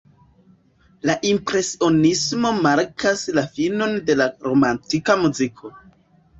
La impresionismo markas la finon de la romantika muziko.